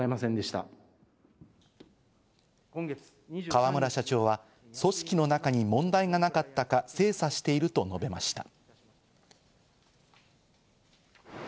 河村社長は組織の中に問題がなかったか精査していると述べました。